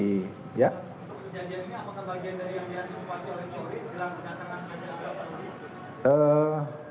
untuk kejadian ini apakah bagian dari organisasi keamanan yang sudah dijalankan